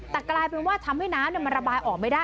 แต่กลายเป็นว่าทำให้น้ำมันระบายออกไม่ได้